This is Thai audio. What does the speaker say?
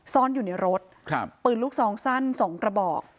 ซ่อนอยู่ในรถปืนลูกซองสั้น๒กระบอก